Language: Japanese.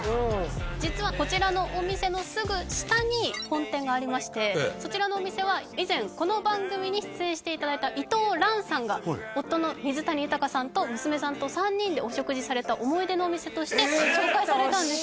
実はこちらのお店のすぐ下に本店がありましてそちらのお店は以前この番組に出演していただいた伊藤蘭さんが夫の水谷豊さんと娘さんと３人でお食事された思い出のお店として紹介されたんです